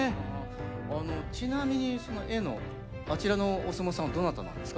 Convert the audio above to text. ちなみに絵のあちらのお相撲さんはどなたなんですか？